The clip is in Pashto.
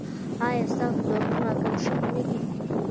ایا ستاسو دردونه کم شوي نه دي؟